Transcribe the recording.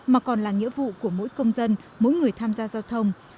mà còn là nghĩa vụ của mỗi công dân mỗi người tham gia giao thông